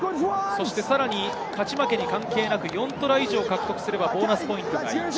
さらに勝ち負けに関係なく４トライ以上獲得すればボーナスポイント１。